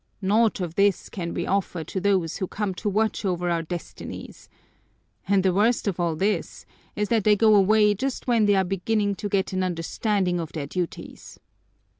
Naught of this can we offer to those who come to watch over our destinies. And the worst of all this is that they go away just when they are beginning to get an understanding of their duties.